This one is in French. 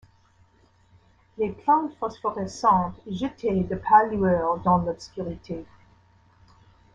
Les plantes phosphorescentes jetaient de pâles lueurs dans l’obscurité.